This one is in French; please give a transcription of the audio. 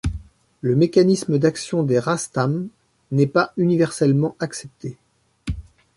Le mécanisme d'action des racetams n'est pas universellement accepté.